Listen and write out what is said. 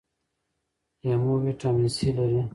لیمو ویټامین سي لري